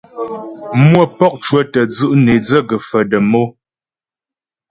Mmwə̌pɔk cwətyə́ dzʉ' nè dzə̂ gə̀faə̀ dəm o.